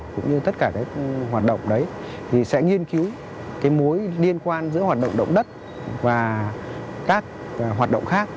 học động đấy thì sẽ nghiên cứu cái mối liên quan giữa hoạt động động đất và các hoạt động khác